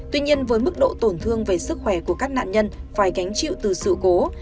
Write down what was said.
tuy nhiên với mức độ tổn thương về sức khỏe của các nạn nhân phải gánh chịu từ sự cố